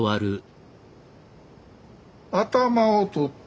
頭を取って。